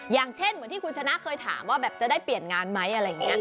อย่างเช่นเหมือนที่คุณชนะเคยถามว่าจะได้เปลี่ยนงานไหม